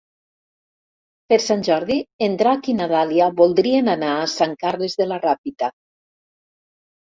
Per Sant Jordi en Drac i na Dàlia voldrien anar a Sant Carles de la Ràpita.